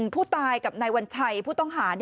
ผู้ตายกับนายวัญชัยผู้ต้องหา